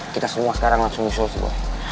kita semua sekarang langsung ngusul sih boy